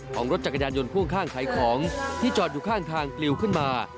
ของรถจักรยานยนต์พ่วงข้างขายของที่จอดอยู่ข้างทางปลิวขึ้นมา